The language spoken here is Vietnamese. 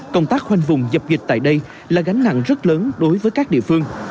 công tác khoanh vùng dập dịch tại đây là gánh nặng rất lớn đối với các địa phương